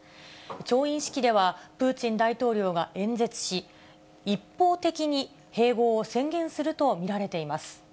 調印式ではプーチン大統領が演説し、一方的に併合を宣言すると見られています。